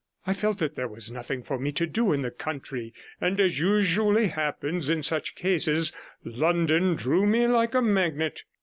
I felt that there was nothing for me to do in the country, and as usually happens in such cases, London drew me like a magnet.